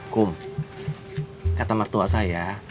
kum kata mertua saya